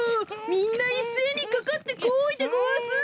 みんないっせいにかかってこいでごわす！